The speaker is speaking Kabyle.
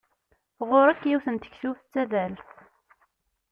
Ɣur-k yiwet n tektubt d tadalt.